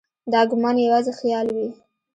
دا ګومان یوازې خیال وي.